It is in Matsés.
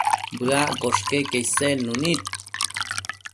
Bëaccosh queque isednu nid